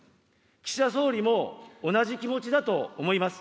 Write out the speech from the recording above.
岸田総理も同じ気持ちだと思います。